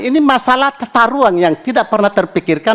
ini masalah tata ruang yang tidak pernah terpikirkan